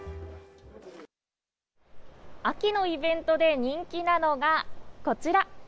秋のイベントで人気なのが、こちら。